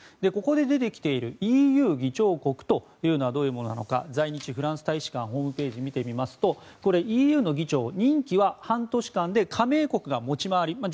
ここで出てきているＥＵ議長国というのがどういうものなのか在日フランス大使館のホームページを見てみますとこれはＥＵの議長任期は半年間で加盟国が持ち回り